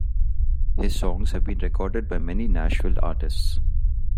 His songs have been recorded by many Nashville artists.